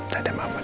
dadah mama dulu